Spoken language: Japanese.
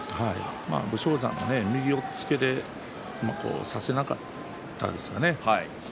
武将山も右を押っつけさせなかったですかね。